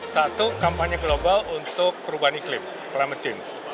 satu kampanye global untuk perubahan iklim climate change